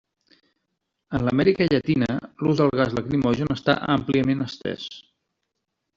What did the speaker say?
En l'Amèrica Llatina, l'ús del gas lacrimogen està àmpliament estès.